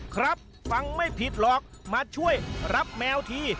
ครับฟังไม่ผิดหรอกมาช่วยรับแมวที